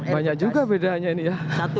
banyak juga bedanya ini ya